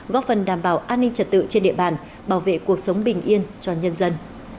góp phần đảm bảo an ninh trật tự trên địa bàn bảo vệ cuộc sống bình yên cho nhân dân